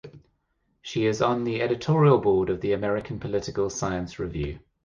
She is on the editorial board of the "American Political Science Review".